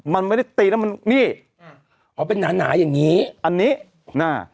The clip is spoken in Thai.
มันไม่ได้ตีแล้วมันนี่อ่าอ๋อเป็นหนาหนาอย่างงี้อันนี้น่ะ